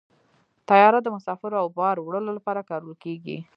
طیاره د مسافرو او بار وړلو لپاره کارول کېږي.